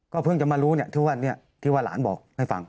ก็เพิ่งจะมารู้นี่ที่ว่าหลานบอกให้ฟัง